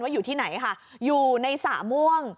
อยู่ที่ไหนค่ะอยู่ในสระม่วง